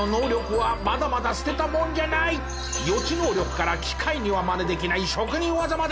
予知能力から機械にはまねできない職人技まで。